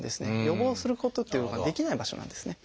予防することっていうのができない場所なんですね。